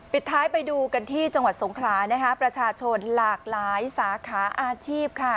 ปิดท้ายไปดูกันที่จังหวัดสงขลานะคะประชาชนหลากหลายสาขาอาชีพค่ะ